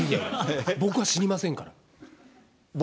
僕は死にませんから。